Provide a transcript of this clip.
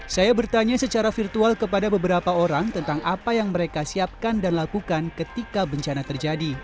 saya bertanya secara virtual kepada beberapa orang tentang apa yang mereka siapkan dan lakukan ketika bencana terjadi